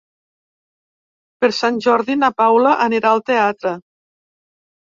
Per Sant Jordi na Paula anirà al teatre.